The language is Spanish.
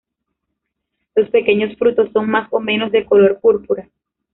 Los pequeños frutos son más o menos de color púrpura.